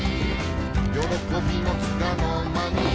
「よろこびもつかのまに」